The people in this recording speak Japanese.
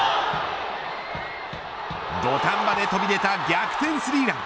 土壇場で飛び出た逆転３ラン。